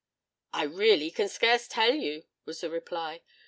"I really can scarce tell you," was the reply.